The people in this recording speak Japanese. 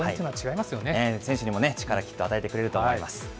選手にも力、きっと与えてくれると思います。